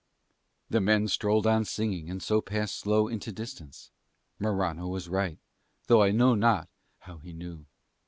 The men strolled on singing and so passed slow into distance. Morano was right, though I know not how he knew.